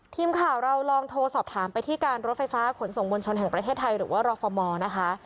ทีมข่าวเราลองโทรสอบถามไปที่การรถไฟฟ้าขนส่งมวลชนแห่งประเทศไทยหรือว่ารฟมนะคะ